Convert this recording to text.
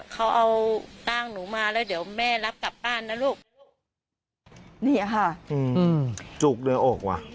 จุกในอกว่ะ